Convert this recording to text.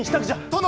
殿！